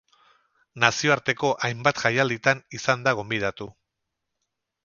Nazioarteko hainbat jaialditan izan da gonbidatu.